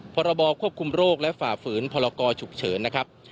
พรบควบคุมโรคและฝ่าฝืนพรกรฉุกเฉินนะครับ